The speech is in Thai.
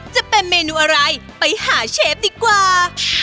จะเป็นเมนูอะไรไปหาเชฟดีกว่า